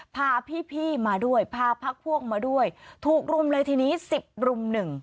พาพี่มาด้วยพาพักพวกมาด้วยถูกรุมเลยทีนี้๑๐รุ่มหนึ่ง